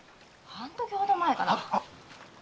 半時ほど前かな。